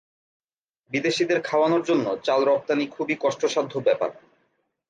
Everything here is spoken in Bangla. বিদেশীদের খাওয়ানোর জন্য চাল রপ্তানী খুবই কষ্টসাধ্য ব্যাপার।